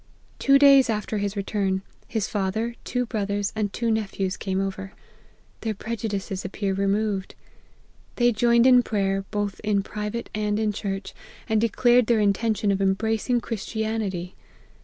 " Two days after his return, his father, two bro thers, and two nephews, came over. Their preju dices appear removed. They joined in prayer, both in private and in church, and declared their intention of embracing Christianity.